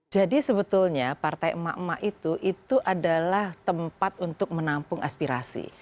jadi sebetulnya partai emak emak itu adalah tempat untuk menampung aspirasi